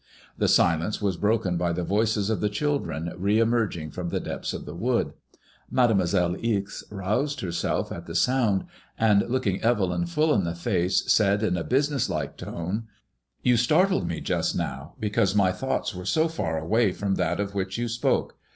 The silence was broken by the voices of the children re emerging firom the depths of the wood. Made moiselle Ixe roused herself at the sound, and, looking Evelyn full in the face, said, in a business like tone : ''You startled me just now, because my thoughts were so far away from that of which you spoke.